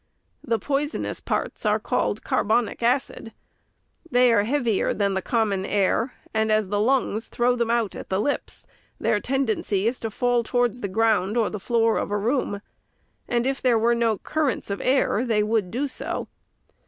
The poisonous parts are called carbonic acid. They are heavier than the common air, and as the lungs throw them out at the lips, their tendency is to fall towards the ground or the floor of a room, and if there were no currents of the air, they would do so.